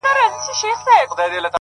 زما اوښکي د گنگا د سيند اوبه دې _